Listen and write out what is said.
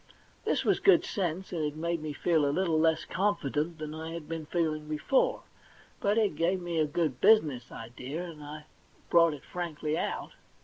This was good sense, and it made me feel a little less confident than I had been feeling before ; but it gave me a good business idea, and I brought it frankly out.